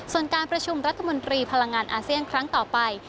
ส่วนการประชุมรัฐมนตรีพลังงานอาเซียนครั้งต่อไป